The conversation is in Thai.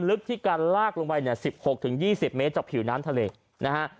ลึกที่การลากลงไปเนี่ย๑๖๒๐เมตรจากผิวน้ำทะเลนะฮะ